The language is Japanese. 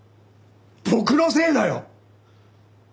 僕のせいだよ！